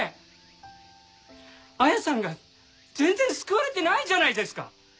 彩さんが全然救われてないじゃないですか。